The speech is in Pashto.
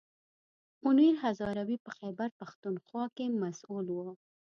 منیر هزاروي په خیبر پښتونخوا کې مسوول و.